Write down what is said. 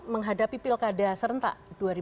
menghadapi pilkada serentak